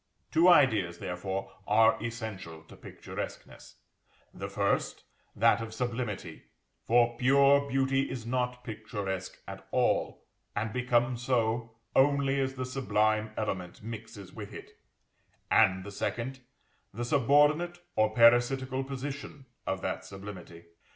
Two ideas, therefore, are essential to picturesqueness, the first, that of sublimity (for pure beauty is not picturesque at all, and becomes so only as the sublime element mixes with it), and the second, the subordinate or parasitical position of that sublimity.